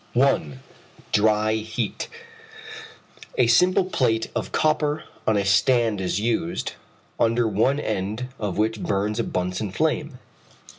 1. Dry Heat. A simple plate of copper on a stand is used, under one end of which burns a Bunsen flame.